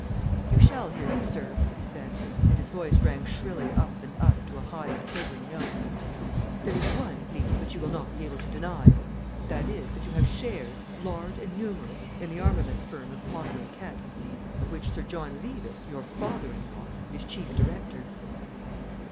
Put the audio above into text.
"You shall hear them, sir," he said, and his voice rang shrilly up and up to a high and quivering note. "There is one, at least which you will not be able to deny. That is that you have shares, large and numerous, in the armaments firm of Pottle and Kett, of which Sir John Levis, your father in law, is chief director."